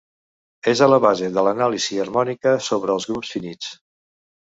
És a la base de l'anàlisi harmònica sobre els grups finits.